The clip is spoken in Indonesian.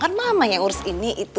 kan mama yang urus ini itu